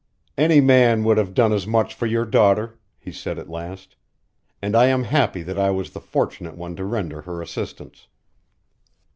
"Any man would have done as much for your daughter," he said at last, "and I am happy that I was the fortunate one to render her assistance."